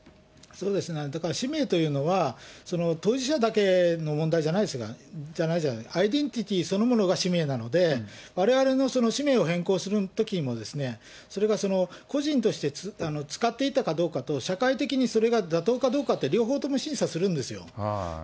だから氏名というのは、当事者だけの問題じゃないじゃないですか、アイデンティティーそのものが氏名なんで、われわれのその氏名を変更するときにも、それが個人として使っていたかどうかと、社会的にそれが妥当かどうかって、両方とも審査するんですよ。